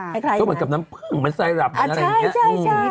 เดี๋ยวเหมือนกับน้ำเพื้งจากไซรัพอย่างไรเนี่ย